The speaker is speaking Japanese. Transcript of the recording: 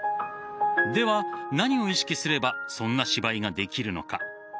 では、何を意識すればそんな芝居ができるのか。